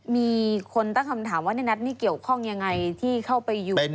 มีคนตั้งคำถามว่าในนัทนี่เกี่ยวข้องยังไงที่เข้าไปอยู่